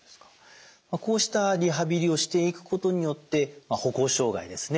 こうしたリハビリをしていくことによって歩行障害ですね